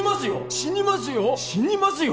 死にますよ